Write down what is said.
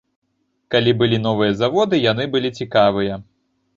Калі былі новыя заводы, яны былі цікавыя.